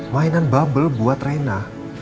mainan bubble buat rena